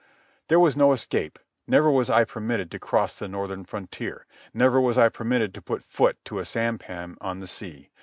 There was no escape. Never was I permitted to cross the northern frontier. Never was I permitted to put foot to a sampan on the sea.